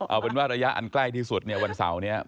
เอาเป็นว่าระยะอันใกล้ที่สุดเนี่ยวันเสาร์เนี่ย